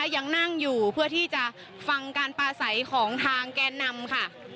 ยังนั่งอยู่เพื่อที่จะฟังการปลาใสของทางแกนนำค่ะ